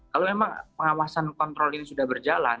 kalau memang pengawasan kontrol ini sudah berjalan